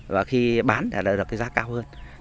và khi bán đã đạt được giá cao hơn